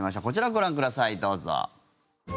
こちらご覧ください、どうぞ。